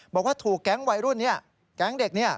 บอกว่าถูกแก๊งวัยรุ่นนี้แก๊งเด็กเนี่ย